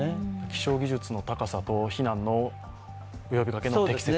気象技術の高さと避難の呼びかけの適切さ。